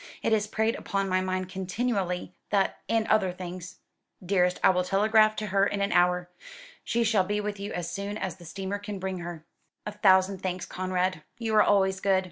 It has preyed upon my mind continually, that and other things." "Dearest, I will telegraph to her in an hour. She shall be with you as soon as the steamer can bring her." "A thousand thanks, Conrad. You are always good.